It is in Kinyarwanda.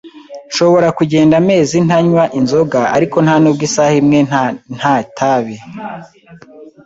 Nshobora kugenda amezi ntanywa inzoga, ariko ntanubwo isaha imwe nta itabi.